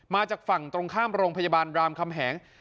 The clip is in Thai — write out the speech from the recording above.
มาจากฝั่งตรงข้ามโรงพยาบาลรามคำแหง